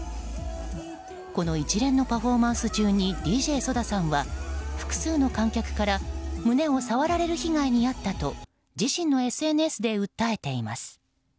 この一連のパフォーマンス中にＤＪＳＯＤＡさんは複数の観客から胸を触られる被害にあったと自身のＳＮＳで訴えています。